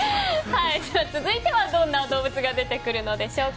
続いては、どんな動物が出てくるのでしょうか。